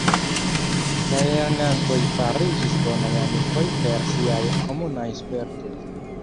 La lernantoj fariĝis bonaj amikoj per siaj komunaj spertoj.